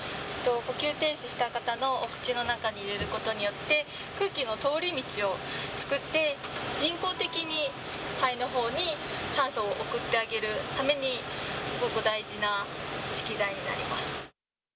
呼吸停止した方のお口の中に入れることによって、空気の通り道を作って、人工的に肺のほうに酸素を送ってあげるために、すごく大事な資器